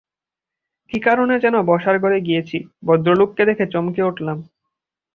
কী কারণে যেন বসার ঘরে গিয়েছি, ভদ্রলোককে দেখে চমকে উঠলাম।